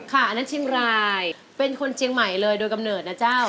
อันนั้นเชียงรายเป็นคนเชียงใหม่เลยโดยกำเนิดนะเจ้า